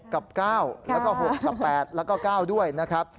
กับ๙แล้วก็๖กับ๘แล้วก็๙ด้วยนะครับ